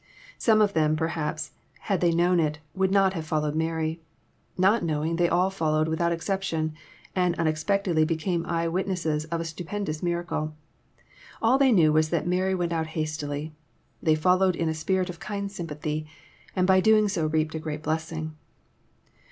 Some of them, perhaps, had they known it, would not have foUowed Mary ; not know ing, they all followed without exception, and unexpectedly became eye witnesses of a stupendous miracle. All they knew was that Mary went out hastily. They followed in a spirit of kind sympathy, and by so doing reaped a great blessing.